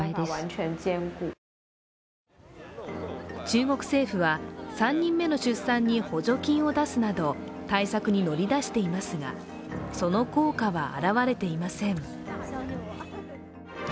中国政府は３人目の出産に補助金を出すなど対策に乗り出していますが、その効果は表れていません。